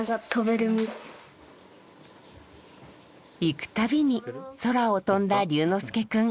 行くたびに空を飛んだ龍之介くん。